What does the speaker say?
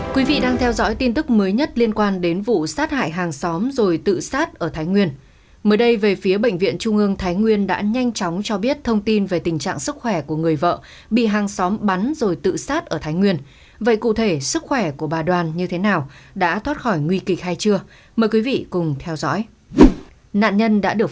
các bạn hãy đăng ký kênh để ủng hộ kênh của chúng mình nhé